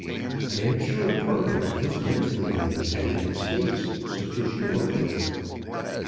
I am sure Parliament was meant for men having estates such as you will have."